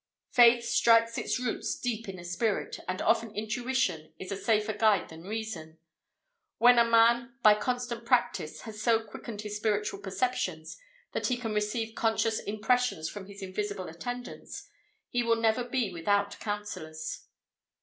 Faith strikes its roots deep in the spirit, and often Intuition is a safer guide than Reason. When a man, by constant practice, has so quickened his spiritual perceptions that he can receive conscious impressions from his invisible attendants, he will never be without counsellors.